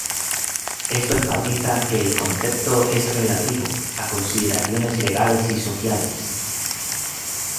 Esto enfatiza que el concepto es relativo a consideraciones legales y sociales.